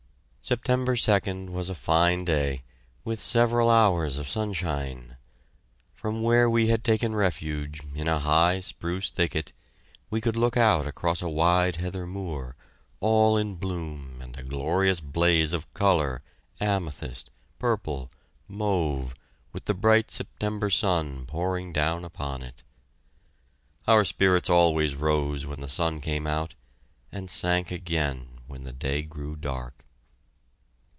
September 2d was a fine day, with several hours of sunshine. From where we had taken refuge in a high spruce thicket, we could look out across a wide heather moor, all in bloom and a glorious blaze of color, amethyst, purple, mauve, with the bright September sun pouring down upon it. Our spirits always rose when the sun came out, and sank again when the day grew dark.